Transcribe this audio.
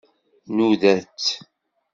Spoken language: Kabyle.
Nnuda-tt.